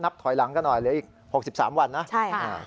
นับถอยหลังก็หน่อยอีก๖๓วันนะ